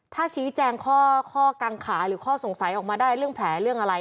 ถ้าชี้แจงข้อกังขาหรือข้อสงสัยออกมาได้เรื่องแผลเรื่องอะไร